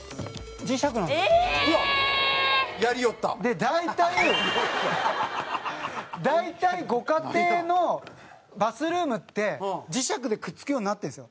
品川：で、大体大体、ご家庭のバスルームって磁石でくっつくようになってるんですよ。